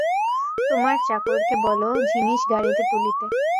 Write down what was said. তোমার চাকরকে বলো, জিনিস গাড়িতে তুলুক।